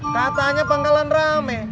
katanya bangkalan rame